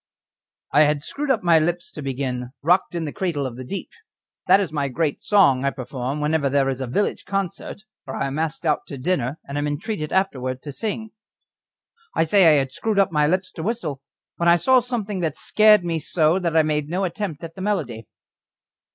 I had screwed up my lips to begin "Rocked in the cradle of the deep" that is my great song I perform whenever there is a village concert, or I am asked out to dinner, and am entreated afterwards to sing I say I had screwed up my lips to whistle, when I saw something that scared me so that I made no attempt at the melody.